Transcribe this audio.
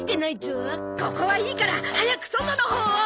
ここはいいから早く外のほうを！